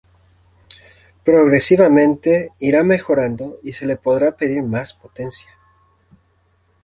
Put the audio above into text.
Progresivamente ira mejorando y se le podrá pedir más potencia.